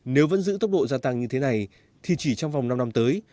nếu vẫn giữ tốc độ gia tăng như thế này thì chỉ trong vòng năm năm tới